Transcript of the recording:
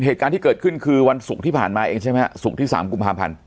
เหตุการณ์ที่เกิดขึ้นคือวันศุกร์ที่ผ่านมาเองใช่ไหมฮะศุกร์ที่๓กุมภาพันธ์